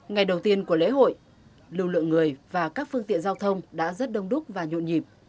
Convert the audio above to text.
ngày đầu tiên của lễ hội lưu lượng người và các phương tiện giao thông đã rất đông đúc và nhộn nhịp